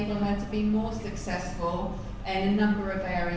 เกือบ๓ปีน่ะที่แมมเนี่ยออกไป